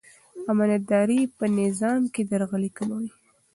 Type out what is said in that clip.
امانتداري په نظام کې درغلي کموي.